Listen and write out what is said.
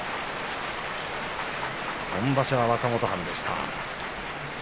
今場所は若元春でした。